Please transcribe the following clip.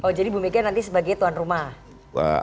oh jadi bu mega nanti sebagai tuan rumah